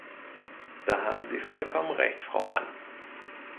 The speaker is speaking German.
Da haben Sie vollkommen recht, Frau Mann.